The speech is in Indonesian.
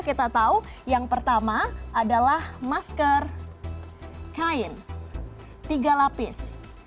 kita tahu yang pertama adalah masker kain tiga lapis